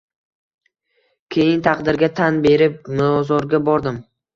Keyin taqdirga tan berib, mozorga bordim.